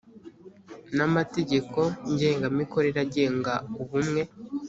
n amategeko ngengamikorere agenga ubumwe